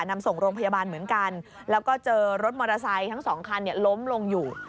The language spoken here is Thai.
นำส่งโรงพยาบาลเหมือนกันแล้วก็เจอรถมอเตอร์ไซค์ทั้งสองคันล้มลงอยู่